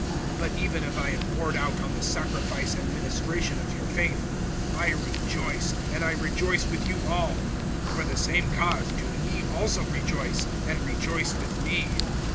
(17)But even if I am poured out on the sacrifice and ministration of your faith, I rejoice, and I rejoice with you all. (18)For the same cause[2:18], do ye also rejoice, and rejoice with me.